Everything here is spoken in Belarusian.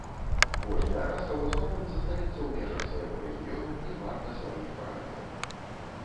Кожная раса ў асноўным застаецца ў межах свайго рэгіёну і варта сваіх правілах.